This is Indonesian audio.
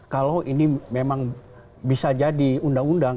kalau ini memang bisa jadi undang undang